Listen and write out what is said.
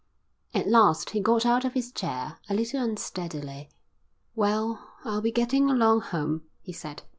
At last he got out of his chair, a little unsteadily. "Well, I'll be getting along home," he said.